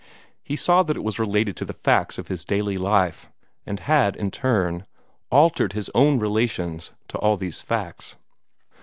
He saw that it was related to the facts of his daily life, and had, in turn, altered his own relations to all these facts.